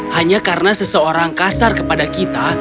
hanya karena seseorang kasar kepada kita